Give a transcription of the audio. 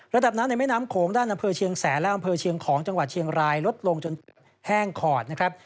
ระดับน้ำในแม่น้ำโขงด้านอำเภอเชียงแสนและอำเภอเชียงของจังหวัดเชียงรายลดลงจนแห้งขอดนะครับ